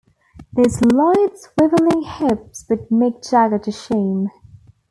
Those lithe, swivelling hips put Mick Jagger to shame.